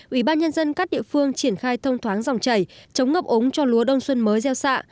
ủy ban nhân dân các địa phương triển khai thông thoáng dòng chảy chống ngập ống cho lúa đông xuân mới gieo xạ